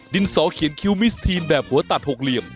สอเขียนคิวมิสทีนแบบหัวตัดหกเหลี่ยม